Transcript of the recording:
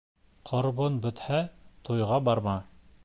Ҡорбоң бөтһә, туйға барма.